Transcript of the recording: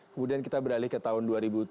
kemudian kita beralih ke tahun dua ribu tujuh belas